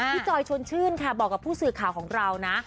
จอยชวนชื่นค่ะบอกกับผู้สื่อข่าวของเรานะ